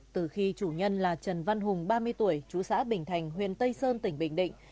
từ khi chủ nhân là trần văn hùng ba mươi tuổi chú xã bình thành huyện tây sơn tỉnh bình định